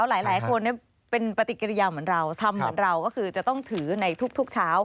หลายคนเป็นปฏิกิริยาเหมือนเราทำเหมือนเราก็คือจะต้องถือในทุกเช้า